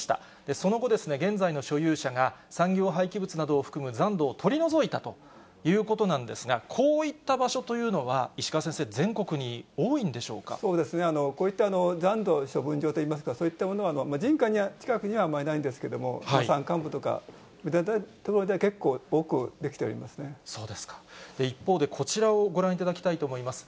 その後、現在の所有者が産業廃棄物などを含む残土を取り除いたということなんですが、こういった場所というのは、石川先生、全国に多いんそうですね、こういった残土処分場といいますか、そういったものは人家の近くにはあまりないんですけれども、山間部とか、そうですか、一方で、こちらをご覧いただきたいと思います。